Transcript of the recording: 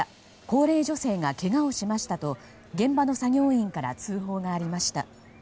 高齢女性がけがをしましたと現場の作業員から通報がありました。